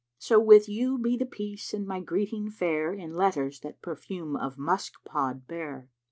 So with you be the peace and my greeting fair * In letters that perfume of musk pod bear."